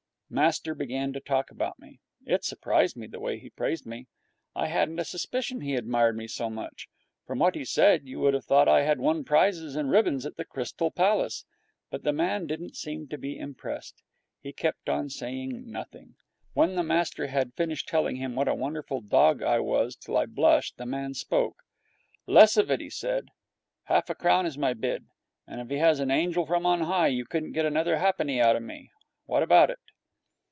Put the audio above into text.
Master began to talk about me. It surprised me, the way he praised me. I hadn't a suspicion he admired me so much. From what he said you would have thought I had won prizes and ribbons at the Crystal Palace. But the man didn't seem to be impressed. He kept on saying nothing. When master had finished telling him what a wonderful dog I was till I blushed, the man spoke. 'Less of it,' he said. 'Half a crown is my bid, and if he was an angel from on high you couldn't get another ha'penny out of me. What about it?'